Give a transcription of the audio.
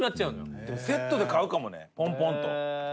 タカ：セットで買うかもねポンポンと。